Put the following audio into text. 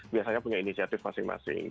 biasanya punya inisiatif masing masing